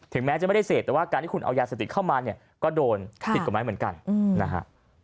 ถึงแม้จะไม่ได้เสียบแต่ว่าการที่คุณเอายาเสียบติดเข้ามาก็โดนติดกว่าไม้เหมือนกันนะฮะ